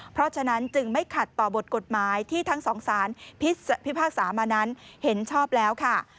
เพราะฉะนั้นจึงไม่ขัดต่อบทกฎหมายที่ทั้งสองสารพิพากษามานั้นเห็นชอบแล้วค่ะ